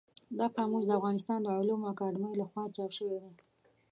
دا قاموس د افغانستان د علومو اکاډمۍ له خوا چاپ شوی دی.